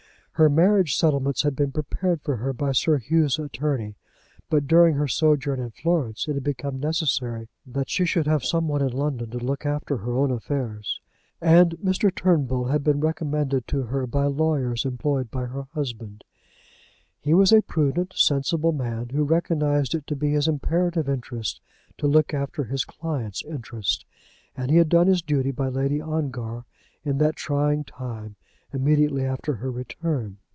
Her marriage settlements had been prepared for her by Sir Hugh's attorney; but during her sojourn in Florence it had become necessary that she should have some one in London to look after her own affairs, and Mr. Turnbull had been recommended to her by lawyers employed by her husband. He was a prudent, sensible man, who recognized it to be his imperative interest to look after his client's interest. And he had done his duty by Lady Ongar in that trying time immediately after her return.